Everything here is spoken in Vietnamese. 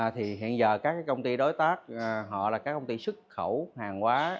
thì hiện giờ các công ty đối tác họ là các công ty xuất khẩu hàng hóa